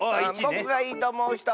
ぼくがいいとおもうひと！